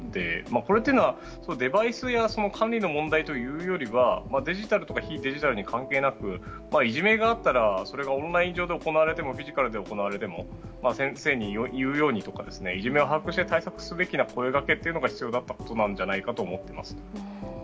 これというのはデバイスや管理の問題というよりはデジタルとか非デジタルに関係なくいじめがあったらそれがオンライン上で行われてもフィジカルで行われても先生に言うようにとかいじめを把握して対策すべきという声掛けが必要だったと思っています。